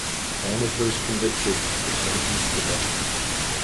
Nine of those convicted were sentenced to death.